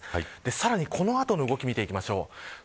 さらにこの後の動きを見ていきます。